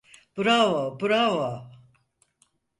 Bravo, bravo.